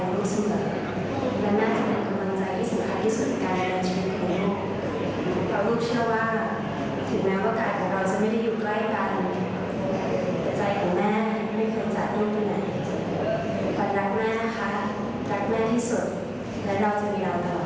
ความรักแม่นะคะรักแม่ที่สุดแล้วเราจะมีรักแม่ว่าไง